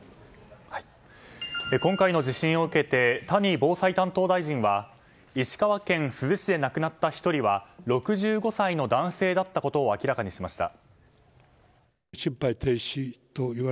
今回の地震を受けて谷防災担当大臣は石川県珠洲市で亡くなった１人は６５歳の男性だったことを明らかにしました。